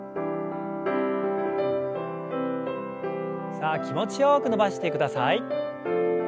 さあ気持ちよく伸ばしてください。